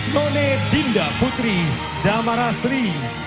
nona dinda putri damarasri